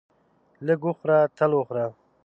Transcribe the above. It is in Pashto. لږ وخوره تل وخوره.